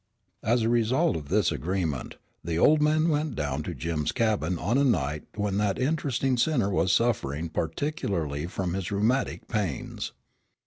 As a result of this agreement, the old man went down to Jim's cabin on a night when that interesting sinner was suffering particularly from his rheumatic pains.